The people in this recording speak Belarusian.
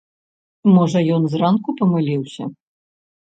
Можа, ён зранку памыліўся?